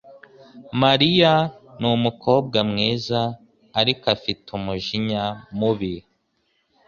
Mariya numukobwa mwiza, ariko afite umujinya mubi